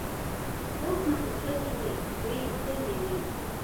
اوس نو په زړه کښې مې دوې تندې وې.